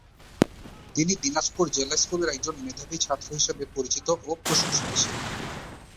তিনি দিনাজপুর জেলা স্কুলের একজন মেধাবী ছাত্র হিসেবে পরিচিতি ও প্রশংসিত ছিলেন।